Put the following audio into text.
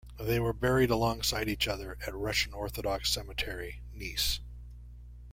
They were buried alongside each other at Russian Orthodox Cemetery, Nice.